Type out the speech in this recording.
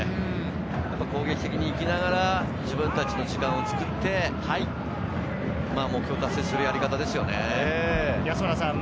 攻撃的に行きながら、自分たちの時間を作って、目標を達成するやり方ですよね。